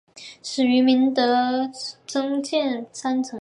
始建于明宣德五年增建尊经阁两层三间。